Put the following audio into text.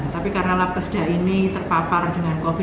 tapi karena labkesda ini terpapar dengan covid sembilan belas